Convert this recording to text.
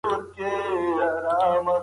وجدان مو قاضي کړئ.